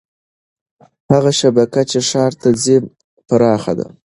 هغه شبکه چې ښار ته ځي پراخه ده.